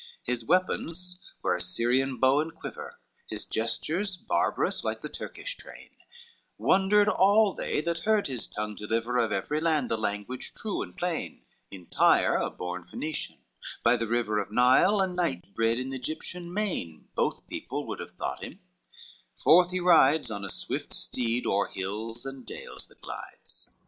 LX His weapons were a Syrian bow and quiver, His gestures barbarous, like the Turkish train, Wondered all they that heard his tongue deliver Of every land the language true and plain: In Tyre a born Phoenician, by the river Of Nile a knight bred in the Egyptian main, Both people would have thought him; forth he rides On a swift steed, o'er hills and dales that glides.